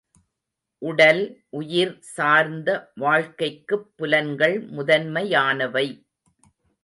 உடல் உயிர் சார்ந்த வாழ்க்கைக்குப் புலன்கள் முதன்மையானவை.